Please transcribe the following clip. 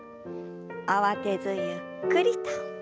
慌てずゆっくりと。